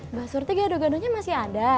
mbak surti gado gadonya masih ada